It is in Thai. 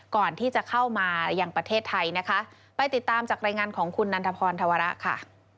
ก่อนที่จะเข้ามายังประเทศไทยนะคะไปติดตามจากรายงานของคุณนันทพรธวระค่ะ